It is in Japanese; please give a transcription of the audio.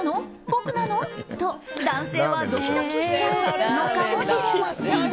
僕なの？と男性はドキドキしちゃうのかもしれません。